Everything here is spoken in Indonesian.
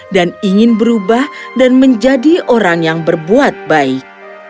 ingin berubah dan menjadi orang yang berbuat baik